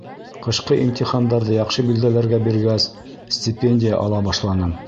Ҡышҡы имтихандарҙы яҡшы билдәләргә биргәс, стипендия ала башланым.